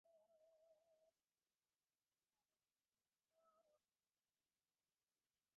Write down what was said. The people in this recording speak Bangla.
ইয়াহুর বর্তমান প্রধান নির্বাহী মারিসা মেয়ার ইয়াহু সার্চে প্রচুর বিনিয়োগ করেছিলেন।